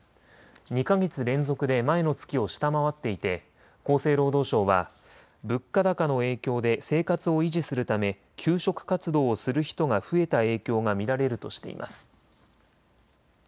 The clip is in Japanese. ２か月連続で前の月を下回っていて厚生労働省は物価高の影響で生活を維持するため求職活動をする人が増えた影響が見られるとしています。